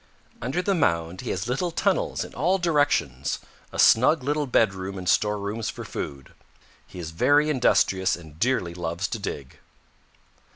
Under the mound he has little tunnels in all directions, a snug little bedroom and storerooms for food. He is very industrious and dearly loves to dig.